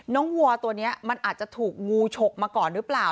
น้องวัวตัวนี้มันอาจจะถูกงู่โฉกมาก่อนรึเปล่า